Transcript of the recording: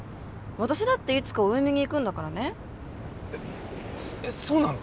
私だっていつかお嫁に行くんだからねえっそそうなの？